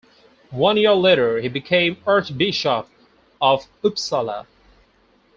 One year later he became Archbishop of Uppsala.